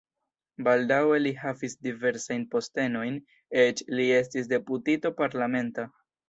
Baldaŭe li havis diversajn postenojn, eĉ li estis deputito parlamenta.